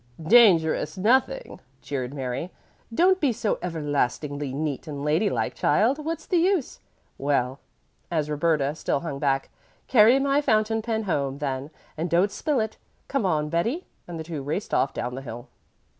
"Dangerous nothing!" jeered Mary. "Don't be so everlastingly neat and lady like, child. What's the use? Well," as Roberta still hung back, "carry my fountain pen home, then, and don't spill it. Come on, Betty," and the two raced off down the hill.